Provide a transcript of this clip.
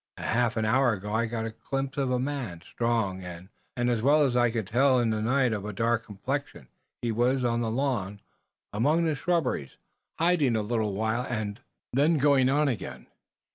A half hour ago, I caught a glimpse of a man, strong, and, as well as I could tell in the night, of a dark complexion. He was on the lawn, among the shrubbery, hiding a little while and then going on again.